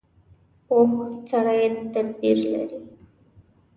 پوخ سړی تدبیر لري